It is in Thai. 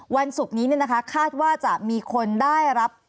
วันศุกร์นี้เนี่ยนะครับคาดว่าจะมีคนได้รับ